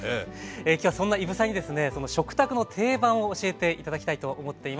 今日はそんな伊武さんにですねその食卓の定番を教えて頂きたいと思っています。